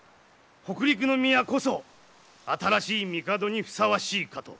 北陸宮こそ新しい帝にふさわしいかと。